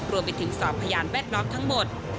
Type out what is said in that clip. รวมไปถึงสอบพยานแวดล้อมทั้งหมด